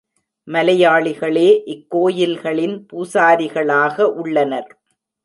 மலையாளிகளே இக்கோயில்களின் பூசாரிகளாக உள்ளனர்.